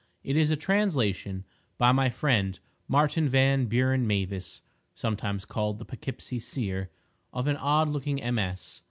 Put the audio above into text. It is a translation, by my friend, Martin Van Buren Mavis, (sometimes called the "Poughkeepsie Seer") of an odd looking MS.